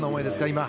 今。